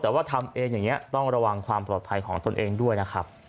แต่ว่าทำเองอย่างนี้ต้องระวังความปลอดภัยของตนเองด้วยนะครับ